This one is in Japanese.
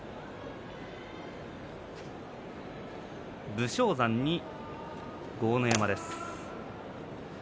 武将山に豪ノ山です。